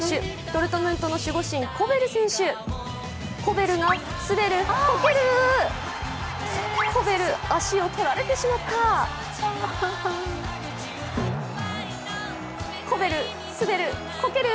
ドルトムントの守護神・コベル選手コベルが滑る、コケる、コベル、足をとられてしまった、コベル、滑る、コケる。